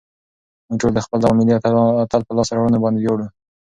موږ ټول د خپل دغه ملي اتل په لاسته راوړنو باندې ویاړو.